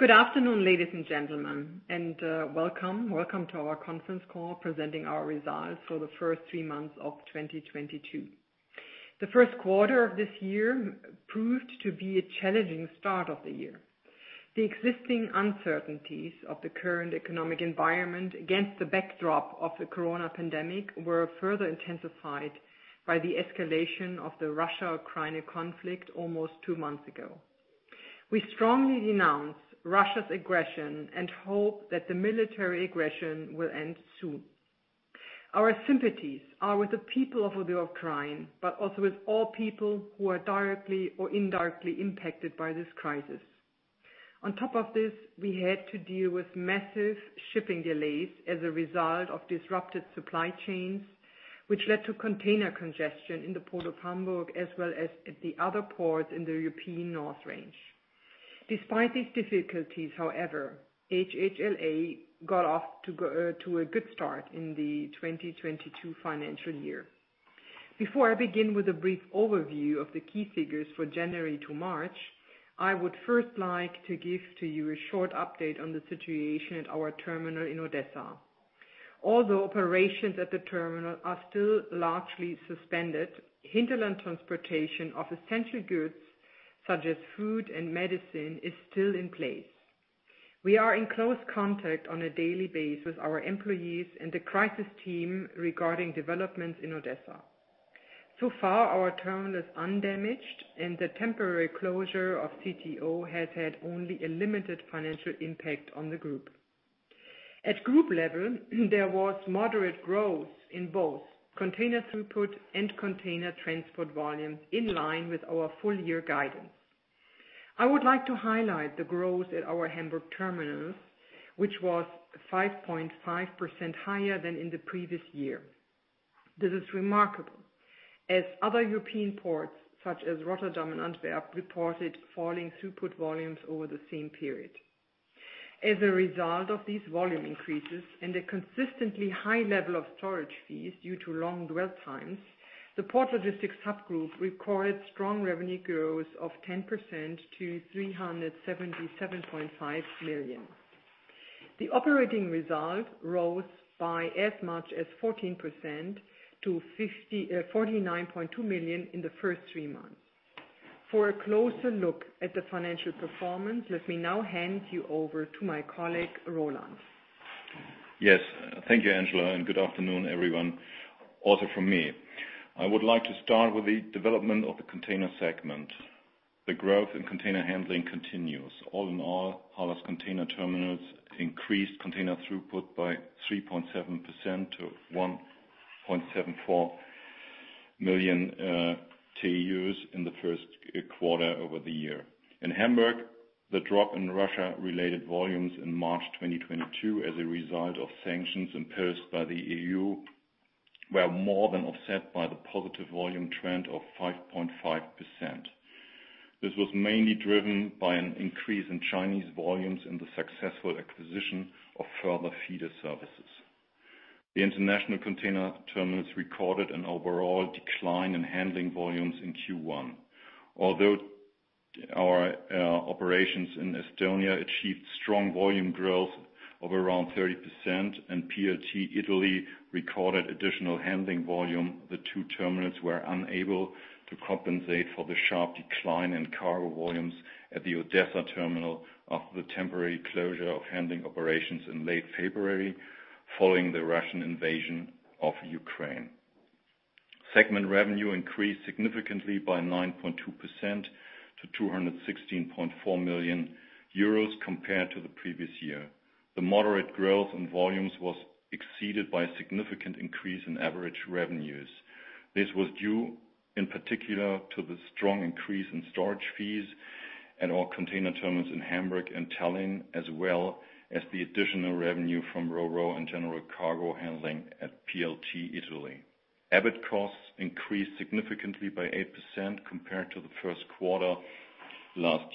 Good afternoon, ladies and gentlemen, and welcome. Welcome to our conference call presenting our results for the first three months of 2022. The first quarter of this year proved to be a challenging start of the year. The existing uncertainties of the current economic environment against the backdrop of the coronavirus pandemic were further intensified by the escalation of the Russia-Ukraine conflict almost 2 months ago. We strongly denounce Russia's aggression and hope that the military aggression will end soon. Our sympathies are with the people of Ukraine, but also with all people who are directly or indirectly impacted by this crisis. On top of this, we had to deal with massive shipping delays as a result of disrupted supply chains, which led to container congestion in the port of Hamburg as well as at the other ports in the European North Range. Despite these difficulties, however, HHLA got off to a good start in the 2022 financial year. Before I begin with a brief overview of the key figures for January to March, I would first like to give to you a short update on the situation at our terminal in Odessa. Although operations at the terminal are still largely suspended, hinterland transportation of essential goods, such as food and medicine, is still in place. We are in close contact on a daily basis with our employees and the crisis team regarding developments in Odessa. So far, our terminal is undamaged, and the temporary closure of CTO has had only a limited financial impact on the group. At group level, there was moderate growth in both container throughput and container transport volume in line with our full year guidance. I would like to highlight the growth at our Hamburg terminals, which was 5.5% higher than in the previous year. This is remarkable as other European ports, such as Rotterdam and Antwerp, reported falling throughput volumes over the same period. As a result of these volume increases and a consistently high level of storage fees due to long dwell times, the port logistics subgroup recorded strong revenue growth of 10% to 377.5 million. The operating result rose by as much as 14% to 49.2 million in the first three months. For a closer look at the financial performance, let me now hand you over to my colleague, Roland. Yes. Thank you, Angela, and good afternoon, everyone, also from me. I would like to start with the development of the container segment. The growth in container handling continues. All in all, HHLA's container terminals increased container throughput by 3.7% to 1.74 million TEUs in the first quarter over the year. In Hamburg, the drop in Russia-related volumes in March 2022 as a result of sanctions imposed by the EU were more than offset by the positive volume trend of 5.5%. This was mainly driven by an increase in Chinese volumes and the successful acquisition of further feeder services. The international container terminals recorded an overall decline in handling volumes in Q1. Although our operations in Estonia achieved strong volume growth of around 30% and PLT Italy recorded additional handling volume, the two terminals were unable to compensate for the sharp decline in cargo volumes at the Odessa terminal after the temporary closure of handling operations in late February following the Russian invasion of Ukraine. Segment revenue increased significantly by 9.2% to 216.4 million euros compared to the previous year. The moderate growth in volumes was exceeded by a significant increase in average revenues. This was due in particular to the strong increase in storage fees at our container terminals in Hamburg and Tallinn, as well as the additional revenue from RoRo and general cargo handling at PLT Italy. EBIT costs increased significantly by 8% compared to the first quarter last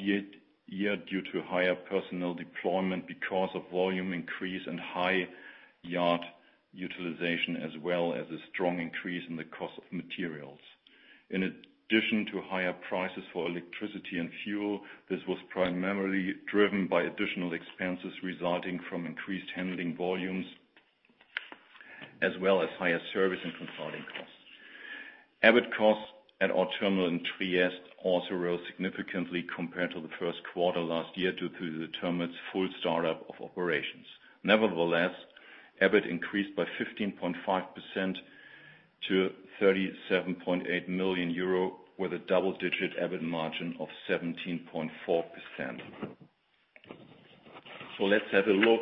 year due to higher personnel deployment because of volume increase and high yard utilization, as well as a strong increase in the cost of materials. In addition to higher prices for electricity and fuel, this was primarily driven by additional expenses resulting from increased handling volumes as well as higher service and consulting costs. EBIT costs at our terminal in Trieste also rose significantly compared to the first quarter last year due to the terminal's full startup of operations. Nevertheless, EBIT increased by 15.5% to 37.8 million euro, with a double-digit EBIT margin of 17.4%. Let's have a look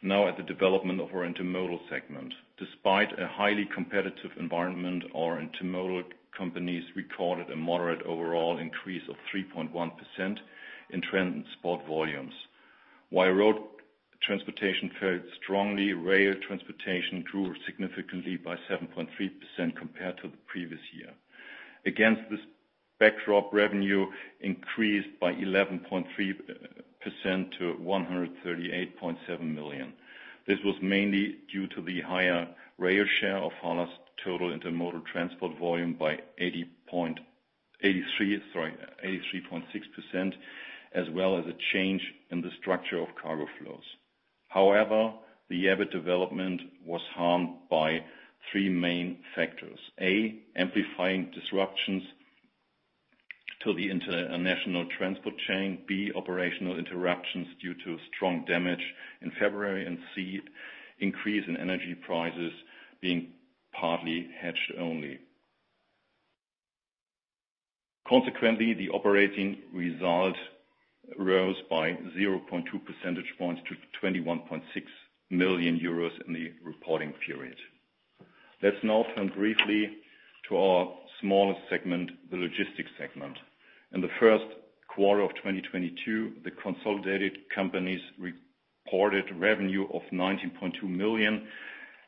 now at the development of our intermodal segment. Despite a highly competitive environment, our intermodal companies recorded a moderate overall increase of 3.1% in transport volumes. While road transportation fared strongly, rail transportation grew significantly by 7.3% compared to the previous year. Against this backdrop, revenue increased by 11.3% to 138.7 million. This was mainly due to the higher rail share of HHLA's total intermodal transport volume by 83.6%, as well as a change in the structure of cargo flows. However, the EBIT development was harmed by three main factors. A, amplifying disruptions to the international transport chain. B, operational interruptions due to storm damage in February and see increase in energy prices being partly hedged only. Consequently, the operating result rose by 0.2 percentage points to 21.6 million euros in the reporting period. Let's now turn briefly to our smallest segment, the logistics segment. In the first quarter of 2022, the consolidated companies reported revenue of 19.2 million,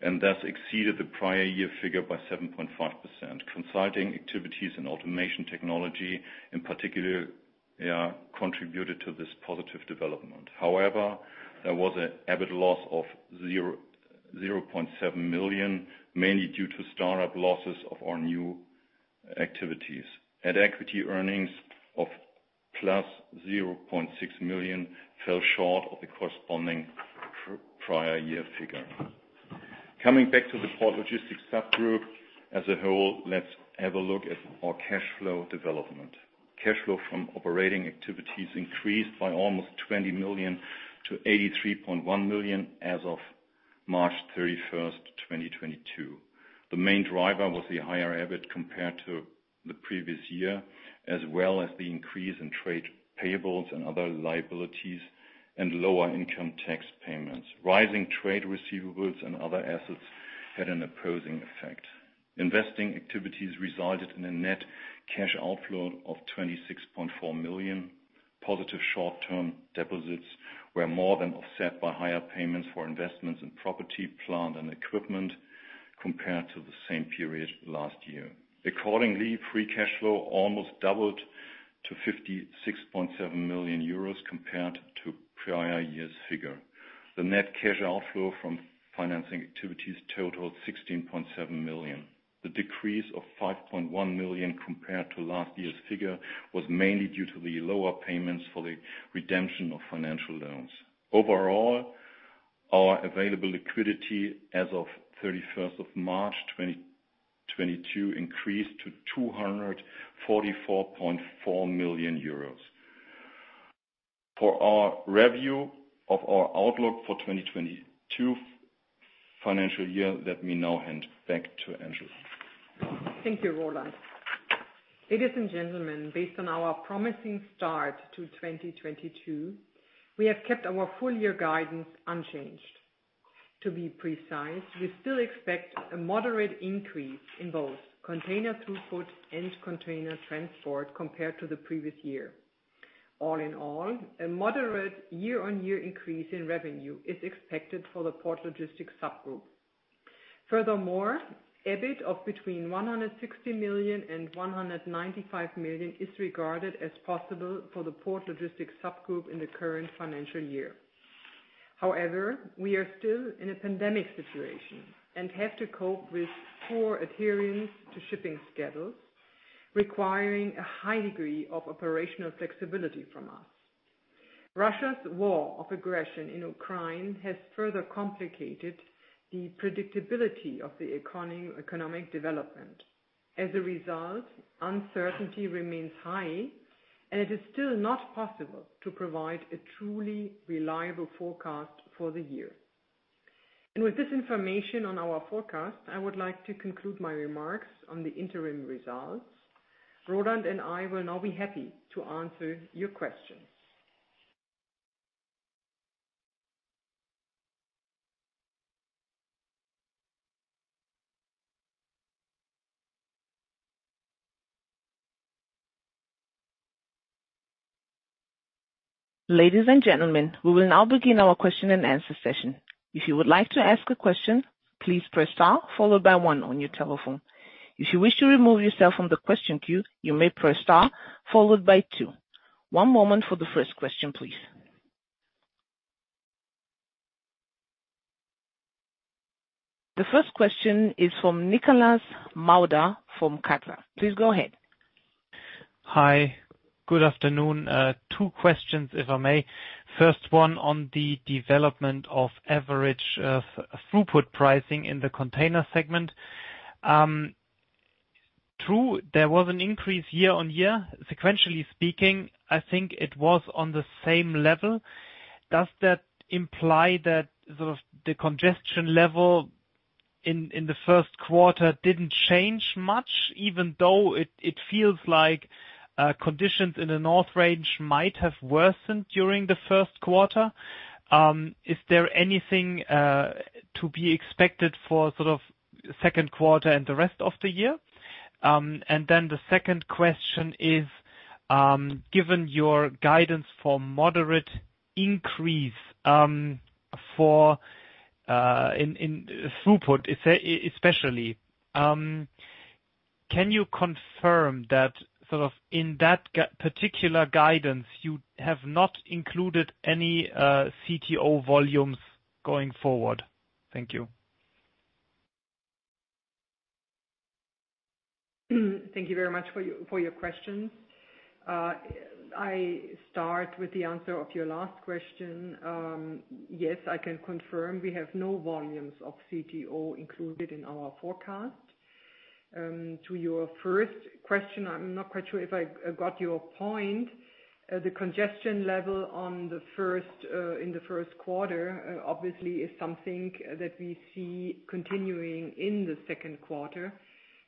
and thus exceeded the prior year figure by 7.5%. Consulting activities and automation technology in particular contributed to this positive development. However, there was an EBIT loss of 0.7 million, mainly due to start-up losses of our new activities. At-equity earnings of +0.6 million fell short of the corresponding prior year figure. Coming back to the Port Logistics subgroup as a whole, let's have a look at our cash flow development. Cash flow from operating activities increased by almost 20 million to 83.1 million as of March 31st, 2022. The main driver was the higher EBIT compared to the previous year, as well as the increase in trade payables and other liabilities and lower income tax payments. Rising trade receivables and other assets had an opposing effect. Investing activities resulted in a net cash outflow of 26.4 million. Positive short-term deposits were more than offset by higher payments for investments in property, plant, and equipment compared to the same period last year. Accordingly, free cash flow almost doubled to 56.7 million euros compared to prior year's figure. The net cash outflow from financing activities totaled 16.7 million. The decrease of 5.1 million compared to last year's figure was mainly due to the lower payments for the redemption of financial loans. Overall, our available liquidity as of March 31st, 2022, increased to 244.4 million euros. For our review of our outlook for 2022 financial year, let me now hand back to Angela. Thank you, Roland. Ladies and gentlemen, based on our promising start to 2022, we have kept our full year guidance unchanged. To be precise, we still expect a moderate increase in both container throughput and container transport compared to the previous year. All in all, a moderate year-on-year increase in revenue is expected for the Port Logistics subgroup. Furthermore, EBIT of between 160 million and 195 million is regarded as possible for the Port Logistics subgroup in the current financial year. However, we are still in a pandemic situation and have to cope with poor adherence to shipping schedules, requiring a high degree of operational flexibility from us. Russia's war of aggression in Ukraine has further complicated the predictability of the economy, economic development. As a result, uncertainty remains high, and it is still not possible to provide a truly reliable forecast for the year. With this information on our forecast, I would like to conclude my remarks on the interim results. Roland and I will now be happy to answer your questions. Ladies and gentlemen, we will now begin our question-and-answer session. If you would like to ask a question, please press star followed by one on your telephone. If you wish to remove yourself from the question queue, you may press star followed by two. One moment for the first question, please. The first question is from Nicolai Thomsen from Cadra. Please go ahead. Hi. Good afternoon. Two questions, if I may. First one on the development of average throughput pricing in the container segment. True, there was an increase year-on-year. Sequentially speaking, I think it was on the same level. Does that imply that sort of the congestion level in the first quarter didn't change much, even though it feels like conditions in the North Range might have worsened during the first quarter? Is there anything to be expected for sort of second quarter and the rest of the year? Then the second question is, given your guidance for moderate increase in throughput especially, can you confirm that sort of in that particular guidance, you have not included any CTO volumes going forward? Thank you. Thank you very much for your questions. I start with the answer of your last question. Yes, I can confirm we have no volumes of CTO included in our forecast. To your first question, I'm not quite sure if I got your point. The congestion level in the first quarter obviously is something that we see continuing in the second quarter.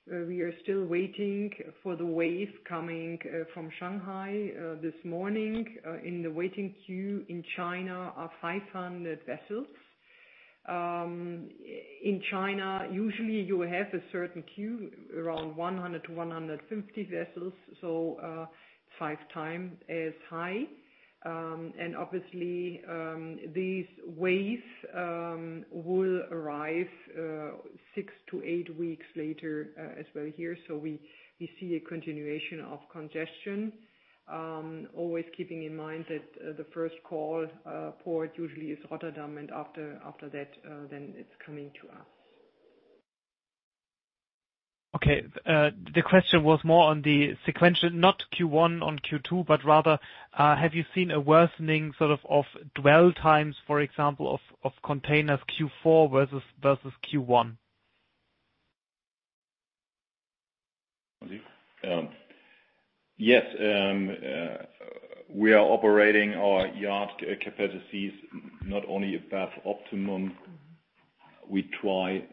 We are still waiting for the wave coming from Shanghai this morning. In the waiting queue in China are 500 vessels. In China, usually you have a certain queue around 100-150 vessels, so five times as high. Obviously these waves will arrive 6-8 weeks later as well here. We see a continuation of congestion, always keeping in mind that the first call port usually is Rotterdam, and after that then it's coming to us. Okay. The question was more on the sequential, not Q1 on Q2, but rather, have you seen a worsening sort of dwell times, for example, of containers Q4 versus Q1? Yes. We are operating our yard capacities not only above optimum. We try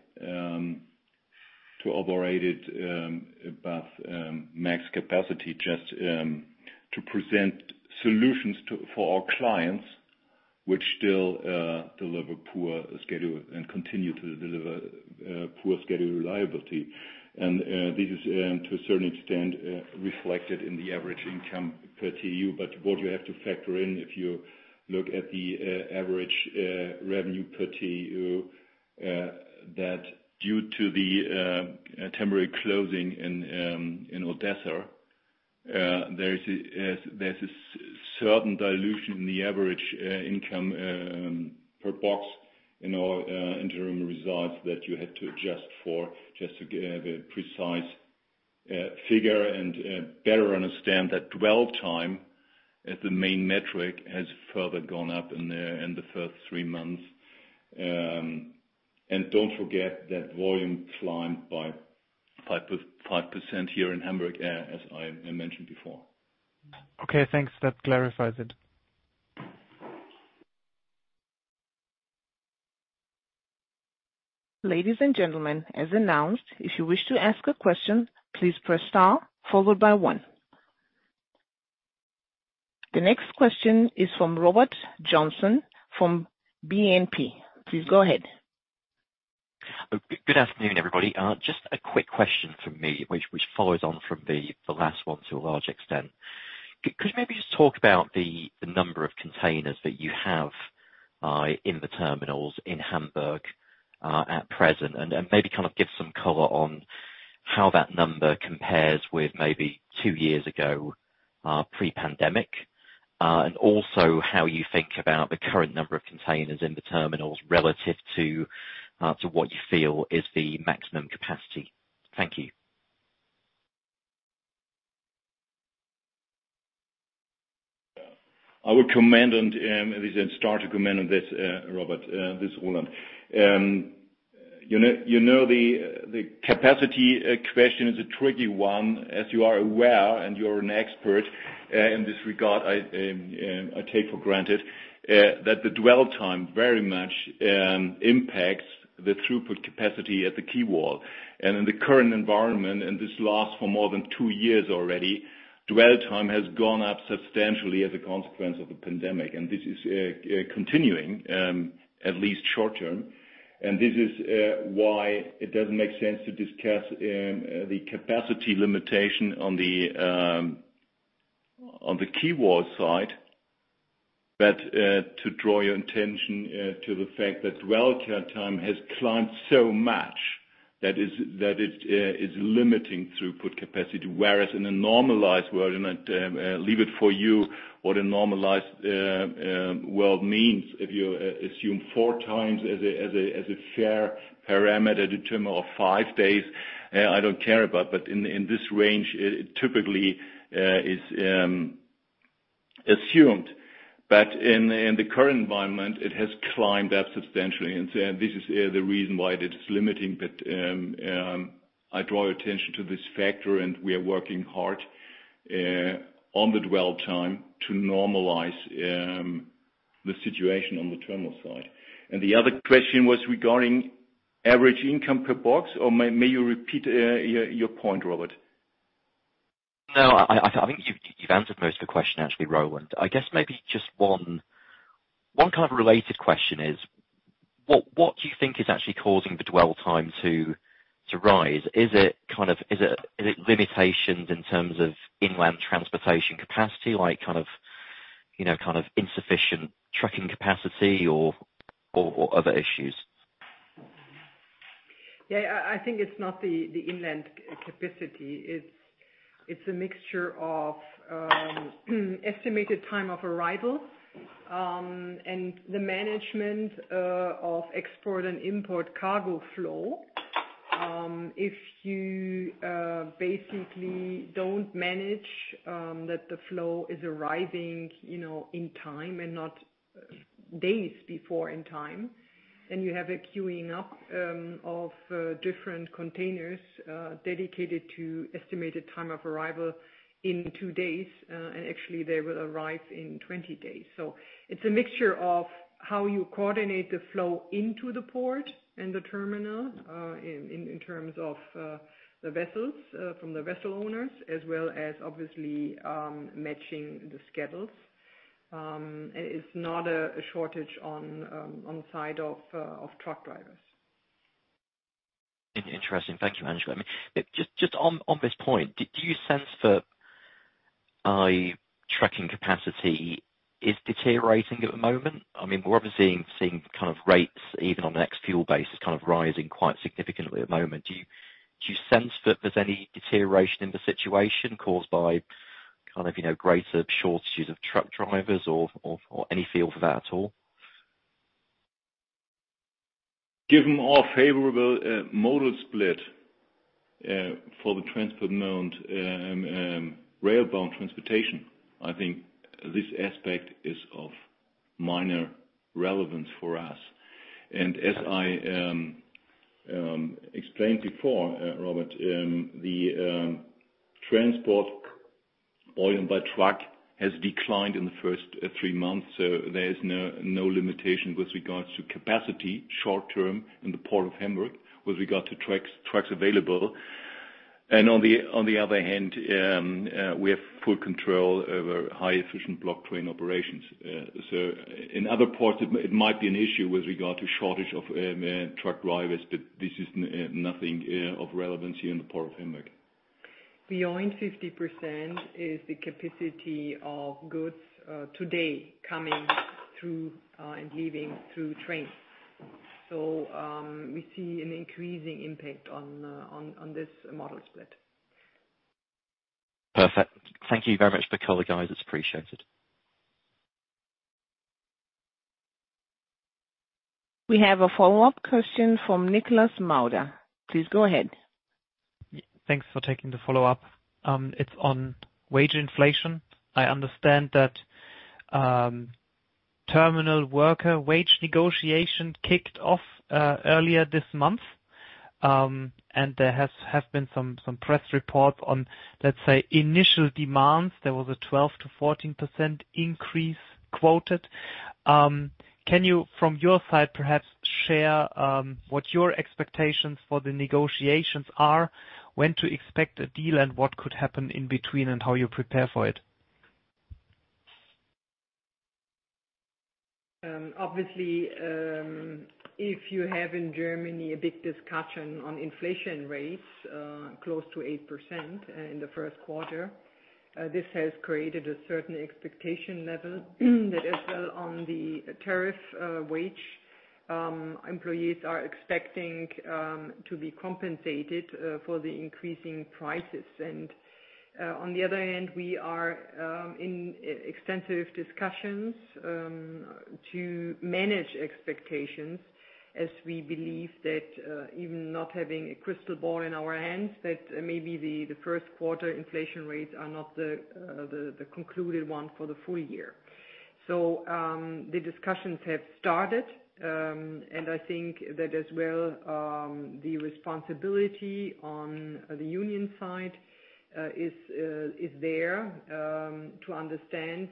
to operate it above max capacity just to present solutions to, for our clients, which still deliver poor schedule and continue to deliver poor schedule reliability. This is to a certain extent reflected in the average income per TEU. What you have to factor in if you look at the average revenue per TEU that due to the temporary closing in Odessa there is a certain dilution in the average income per box in our interim results that you had to adjust for just to get the precise figure and better understand that dwell time as the main metric has further gone up in the first three months. Don't forget that volume climbed by 5% here in Hamburg as I mentioned before. Okay, thanks. That clarifies it. Ladies and gentlemen, as announced, if you wish to ask a question, please press star followed by one. The next question is from Robert Joynson from Exane BNP Paribas. Please go ahead. Good afternoon, everybody. Just a quick question from me, which follows on from the last one to a large extent. Could you maybe just talk about the number of containers that you have in the terminals in Hamburg at present, and maybe kind of give some color on how that number compares with maybe two years ago, pre-pandemic, and also how you think about the current number of containers in the terminals relative to what you feel is the maximum capacity. Thank you. I will comment and at least start to comment on this, Robert. This is Roland. You know the capacity question is a tricky one, as you are aware, and you're an expert in this regard. I take for granted that the dwell time very much impacts the throughput capacity at the quay wall. In the current environment, and this lasts for more than two years already, dwell time has gone up substantially as a consequence of the pandemic, and this is continuing at least short term. This is why it doesn't make sense to discuss the capacity limitation on the quay wall side, but to draw your attention to the fact that dwell time has climbed so much that it is limiting throughput capacity. Whereas in a normalized world, I leave it for you what a normalized world means, if you assume four days as a fair parameter, determinant of five days, I don't care about. In this range, it typically is assumed. In the current environment, it has climbed up substantially. This is the reason why it is limiting. I draw your attention to this factor, and we are working hard on the dwell time to normalize the situation on the terminal side. The other question was regarding average income per box, or may you repeat your point, Robert? No, I think you've answered most of the question, actually, Roland. I guess maybe just one kind of related question is what do you think is actually causing the dwell time to rise? Is it limitations in terms of inland transportation capacity, like kind of, you know, kind of insufficient trucking capacity or other issues? Yeah, I think it's not the inland capacity. It's a mixture of estimated time of arrival and the management of export and import cargo flow. If you basically don't manage that the flow is arriving, you know, in time and not days before in time, then you have a queuing up of different containers dedicated to estimated time of arrival in two days, and actually, they will arrive in 20 days. It's a mixture of how you coordinate the flow into the port and the terminal in terms of the vessels from the vessel owners, as well as obviously matching the schedules. It's not a shortage on the side of truck drivers. Interesting. Thank you, Angela. Just on this point, do you sense that trucking capacity is deteriorating at the moment? I mean, we're obviously seeing kind of rates even on an ex-fuel basis, kind of rising quite significantly at the moment. Do you sense that there's any deterioration in the situation caused by kind of, you know, greater shortages of truck drivers or any feel for that at all? Given our favorable modal split for the transport mode rail bound transportation, I think this aspect is of minor relevance for us. As I explained before, Robert, the transport volume by truck has declined in the first three months, so there is no limitation with regards to capacity short-term in the Port of Hamburg with regard to trucks available. On the other hand, we have full control over highly efficient block train operations. So in other ports it might be an issue with regard to shortage of truck drivers, but this is nothing of relevancy in the Port of Hamburg. Beyond 50% is the capacity of goods today coming through and leaving through trains. We see an increasing impact on this modal split. Perfect. Thank you very much for the color, guys. It's appreciated. We have a follow-up question from Nicolai Thomsen. Please go ahead. Thanks for taking the follow-up. It's on wage inflation. I understand that terminal worker wage negotiation kicked off earlier this month, and there have been some press reports on, let's say, initial demands. There was a 12%-14% increase quoted. Can you from your side, perhaps share what your expectations for the negotiations are, when to expect a deal, and what could happen in between, and how you prepare for it? Obviously, if you have in Germany a big discussion on inflation rates, close to 8%, in the first quarter, this has created a certain expectation level that as well on the tariff wage employees are expecting to be compensated for the increasing prices. On the other hand, we are in extensive discussions to manage expectations as we believe that even not having a crystal ball in our hands, that maybe the first quarter inflation rates are not the concluded one for the full year. The discussions have started, and I think that as well, the responsibility on the union side is there to understand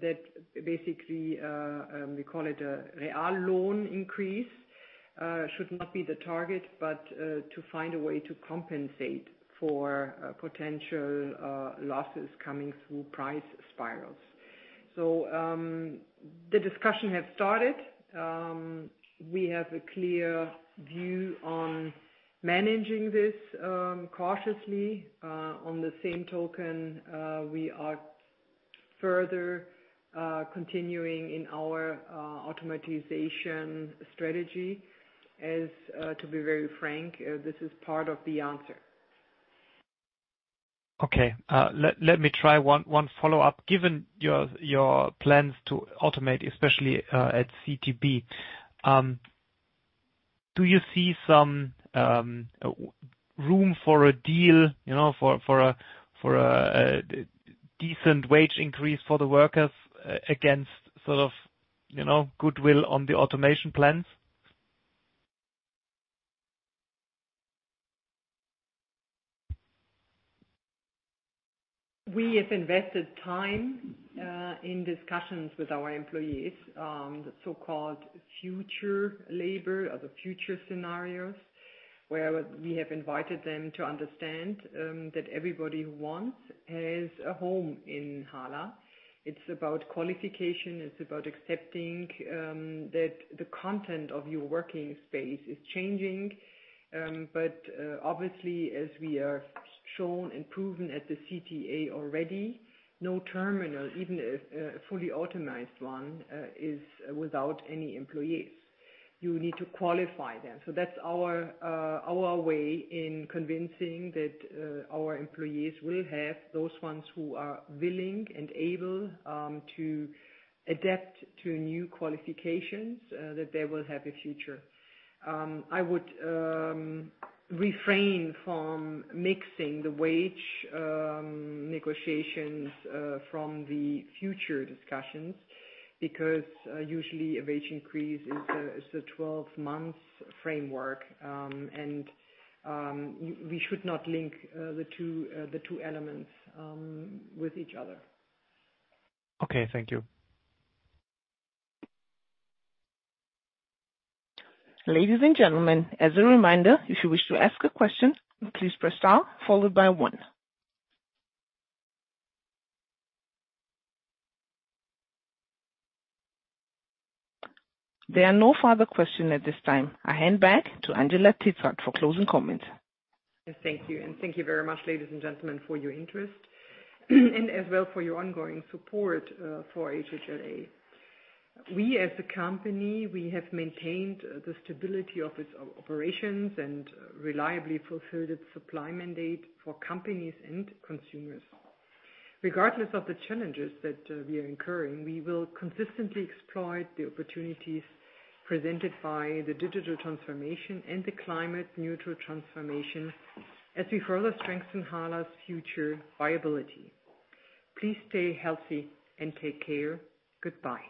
that basically we call it a real wage increase, should not be the target, but to find a way to compensate for potential losses coming through price spirals. The discussion has started. We have a clear view on managing this cautiously. By the same token, we are further continuing in our automation strategy as, to be very frank, this is part of the answer. Okay. Let me try one follow-up. Given your plans to automate, especially at CTB, do you see some room for a deal, you know, for a decent wage increase for the workers against sort of, you know, goodwill on the automation plans? We have invested time in discussions with our employees, the so-called future labor or the future scenarios, where we have invited them to understand that everybody who wants has a home in HHLA. It's about qualification, it's about accepting that the content of your working space is changing. Obviously, as we are shown and proven at the CTA already, no terminal, even a fully optimized one, is without any employees. You need to qualify them. That's our way in convincing that our employees will have those ones who are willing and able to adapt to new qualifications that they will have a future. I would refrain from mixing the wage negotiations from the future discussions because usually a wage increase is a 12-month framework, and we should not link the two elements with each other. Okay. Thank you. Ladies and gentlemen, as a reminder, if you wish to ask a question, please press star followed by one. There are no further questions at this time. I hand back to Angela Titzrath for closing comments. Thank you. Thank you very much, ladies and gentlemen, for your interest, and as well for your ongoing support, for HHLA. We, as a company, have maintained the stability of its operations and reliably fulfilled its supply mandate for companies and consumers. Regardless of the challenges that we are incurring, we will consistently exploit the opportunities presented by the digital transformation and the climate neutral transformation as we further strengthen HHLA's future viability. Please stay healthy and take care. Goodbye.